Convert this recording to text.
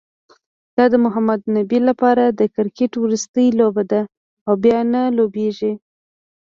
دا د محمد نبي لپاره د کرکټ وروستۍ لوبه ده، او بیا نه لوبیږي